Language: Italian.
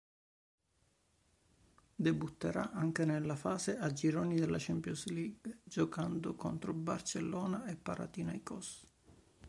Debutterà anche nella fase a gironi della Champions League, giocando contro Barcellona e Panathinaikos.